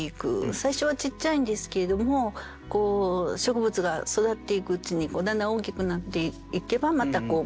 最初はちっちゃいんですけれども植物が育っていくうちにだんだん大きくなっていけばまた間引く。